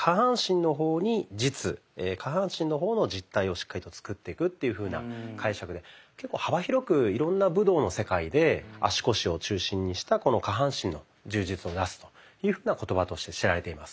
下半身の方の実体をしっかりと作っていくというふうな解釈で結構幅広くいろんな武道の世界で足腰を中心にした「下半身の充実をなす」というふうな言葉として知られています。